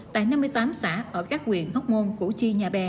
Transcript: tại năm mươi tám xã ở các huyện hóc môn củ chi nhà bè